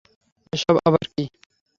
এসব আবার কী?